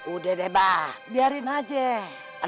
udah deh bah biarin aja